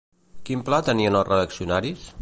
Quin pla tenien els reaccionaris?